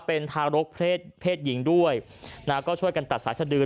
เป็นทารกเพศเพศหญิงด้วยนะก็ช่วยกันตัดสายสดือ